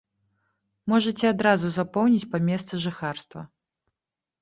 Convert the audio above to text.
Можаце адразу запоўніць па месцы жыхарства.